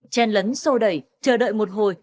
trên lấn sô đẩy chờ đợi một hồi